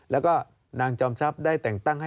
แล้วก็นางจอมทรัพย์ได้แต่งตั้งให้